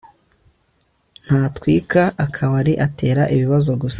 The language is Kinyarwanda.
ntatwika akabari atera ibibazo gusa